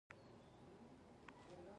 کاکړ د خپل تاریخ ویاړ ګڼي.